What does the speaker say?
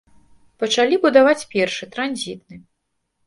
Пачалі будаваць першы, транзітны.